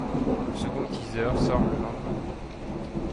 Le second teaser sort le lendemain.